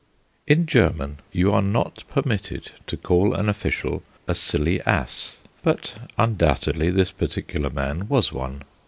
In German you are not permitted to call an official a "silly ass," but undoubtedly this particular man was one.